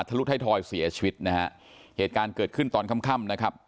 ทุไทยทอยเสียชีวิตนะฮะเหตุการณ์เกิดขึ้นตอนค่ำค่ำนะครับ